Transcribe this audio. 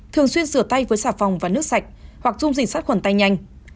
thường xuyên sửa tay với xà phòng và nước sạch hoặc dung dịch sắt khuẩn tay nhanh